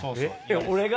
俺が？